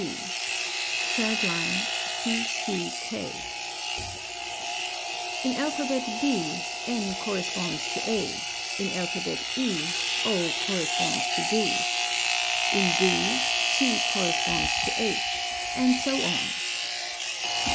bt cq k In alphabet B, w corresponds to a; in alphabet H, ov corresponds to d; in D, ¢ corresponds to h; and so on.